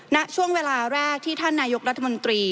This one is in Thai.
ณช่วงเวลาแรกที่ท่านนายกรัฐมนตรี